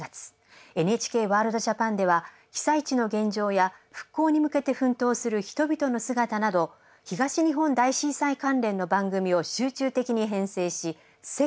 「ＮＨＫワールドＪＡＰＡＮ」では被災地の現状や復興に向けて奮闘する人々の姿など東日本大震災関連の番組を集中的に編成し世界に発信します。